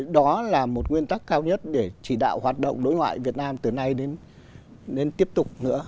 đó là một nguyên tắc cao nhất để chỉ đạo hoạt động đối ngoại việt nam từ nay đến nên tiếp tục nữa